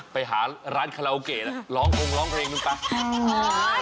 ไปหาร้านคาลาโอเกตร้ององค์ร้องเพลงนึงไป